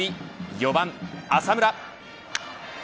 ４番、浅村。